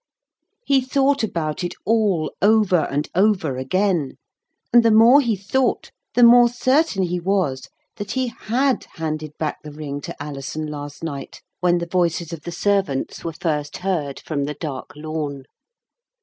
He thought about it all, over and over again, and the more he thought the more certain he was that he had handed back the ring to Alison last night when the voices of the servants were first heard from the dark lawn.